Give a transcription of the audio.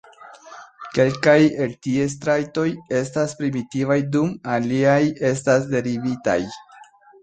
Kelkaj el ties trajtoj estas primitivaj dum aliaj estas derivitaj.